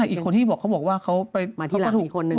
ไม่ค่ะอีกคนที่บอกเขาบอกว่าเขาไปมาที่หลังอีกคนนึง